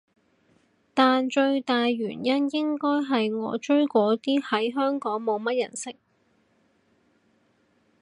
但最大原因應該係我追嗰啲喺香港冇乜人識